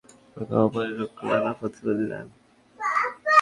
এ ছাড়াও মুমিনের জন্যে রয়েছে পরকালীন প্রভূত কল্যাণ ও উত্তম প্রতিদান।